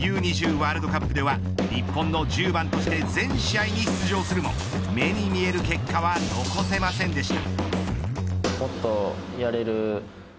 ワールドカップでは日本の１０番として全試合に出場するも目に見える結果は残せませんでした。